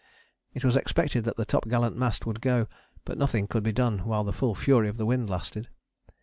It was expected that the topgallant mast would go, but nothing could be done while the full fury of the wind lasted.